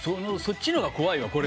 そっちの方が怖いわ。